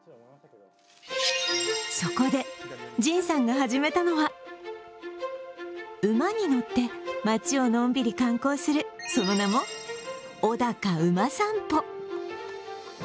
そこで神さんが始めたのは、馬に乗って街をのんびり観光する、その名も小高うまさんぽ。